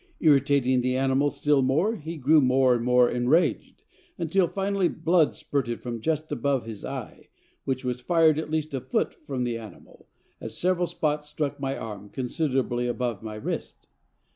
Irritating the animal still more, he grew more and more enraged, until finally blood spurted from just above his eye, which was fired at least a foot from the animal, as several spots struck my arm considerably above my wrist.